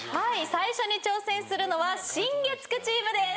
最初に挑戦するのは新月９チームです。